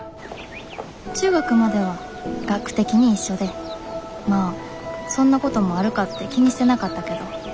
中学までは学区的に一緒でまあそんなこともあるかって気にしてなかったけど。